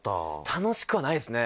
楽しくはないですね